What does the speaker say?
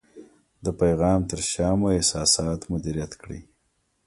د پیغام تر شا مو احساسات مدیریت کړئ.